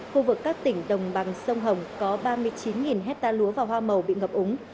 khu vực các tỉnh đồng bằng sông hồng có ba mươi chín hecta lúa và hoa màu bị ngập úng